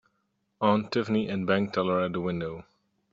Aunt Tiffany and bank teller at the window.